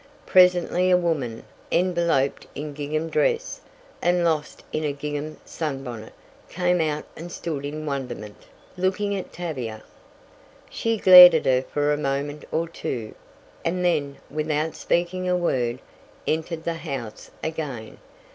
Presently a woman, enveloped in gingham dress, and lost in a gingham sunbonnet, came out and stood in wonderment, looking at Tavia. She glared at her for a moment or two, and then, without speaking a word, entered the house again.